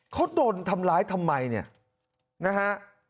เขาโดนทำร้ายทำไมเนี่ยนะฮะ